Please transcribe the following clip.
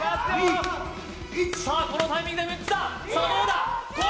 さあこのタイミングで３つださあどうだ？